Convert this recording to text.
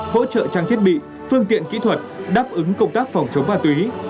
hỗ trợ trang thiết bị phương tiện kỹ thuật đáp ứng công tác phòng chống ma túy